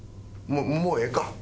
もうええか。